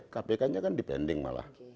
kpk nya kan dipending malah